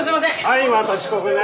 はいまた遅刻ね。